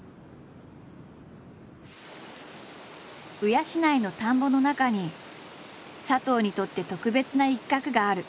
鵜養の田んぼの中に佐藤にとって特別な一角がある。